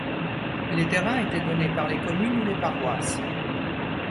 Les terrains étaient donnés par les communes ou les paroisses.